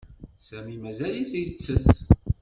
Sami mazal-it yettess.